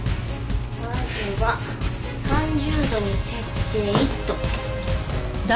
まずは３０度に設定と。